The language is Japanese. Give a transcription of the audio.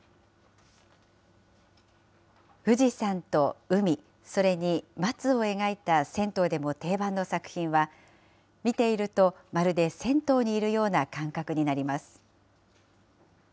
富士山と海、それに松を描いた銭湯でも定番の作品は、見ていると、まるで銭湯にいるような感覚になります。